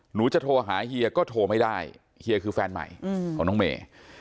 หนูจะโทรหาเฮียก็โทรไม่ได้เฮียคือแฟนใหม่ของน้องเมย์